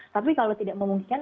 tapi kalau tidak memungkinkan